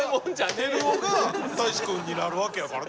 てるおが大志君になるわけやから。